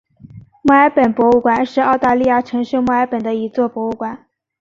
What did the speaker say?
墨尔本博物馆是澳大利亚城市墨尔本的一座博物馆。